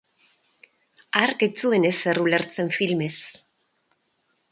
Hark ez zuen ezer ulertzen filmez.